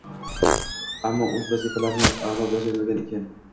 ammo o‘z vazifasini a’lo bajargan ekan.